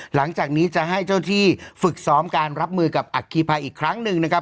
หลังจากนี้จะให้เจ้าที่ฝึกซ้อมการรับมือกับอัคคีภัยอีกครั้งหนึ่งนะครับ